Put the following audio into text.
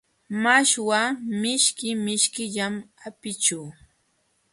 Mashwa mishki mishkillam apićhu.